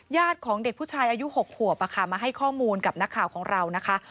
ของเด็กผู้ชายอายุ๖ขวบมาให้ข้อมูลกับนักข่าวของเรานะคะ